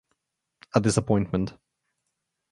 A disappointment.